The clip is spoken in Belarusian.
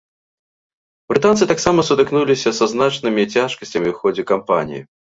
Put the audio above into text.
Брытанцы таксама сутыкнуліся са значнымі цяжкасцямі ў ходзе кампаніі.